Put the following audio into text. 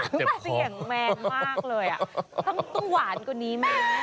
เพิ่งหวานกว่านี้แม่